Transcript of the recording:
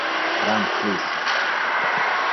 Ram, please.